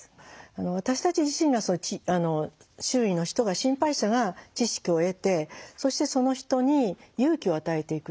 私たち自身が周囲の人が心配者が知識を得てそしてその人に勇気を与えていく。